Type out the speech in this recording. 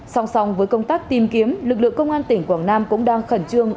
song song với công tác tìm kiếm lực lượng công an tỉnh quảng nam cũng đang khẩn trương